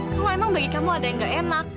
kalau emang bagi kamu ada yang gak enak